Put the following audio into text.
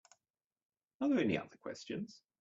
Are there any other questions?